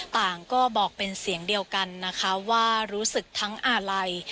ต่างก็บอกเป็นเสียงเดียวกันนะคะว่ารู้สึกทั้งอาลัย